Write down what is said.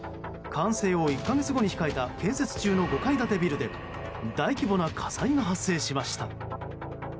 完成を１か月後に控えた建設中の５階建てビルで大規模な火災が発生しました。